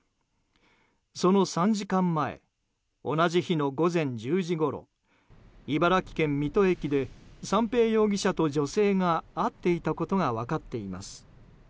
その３時間前同じ日の午前１０時ごろ茨城県水戸駅で三瓶容疑者と女性が会っていたことが分かっています。